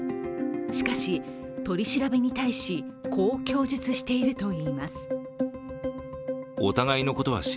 しかし取り調べに対し、こう供述しているといいます。